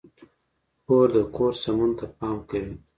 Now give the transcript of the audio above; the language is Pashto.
خور د کور سمون ته پام کوي.